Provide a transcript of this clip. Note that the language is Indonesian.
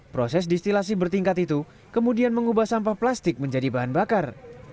proses distilasi bertingkat itu kemudian mengubah sampah plastik menjadi bahan bakar